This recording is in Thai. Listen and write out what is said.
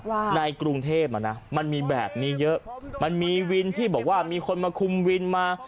ในกรุงเทพอ่ะนะมันมีแบบนี้เยอะมันมีวินที่บอกว่ามีคนมาคุมวินมา